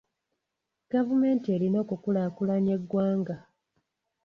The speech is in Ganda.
Gavumenti erina okukulaakulanya eggwanga.